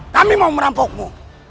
kami mau merampokmu